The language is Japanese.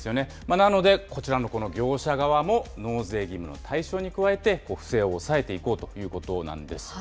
なので、こちらのこの業者側も納税義務の対象に加えて不正を抑えていこうということなんです。